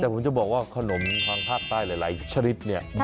แต่ผมจะบอกว่าขนมทางภาคใต้หลายชนิดเนี่ย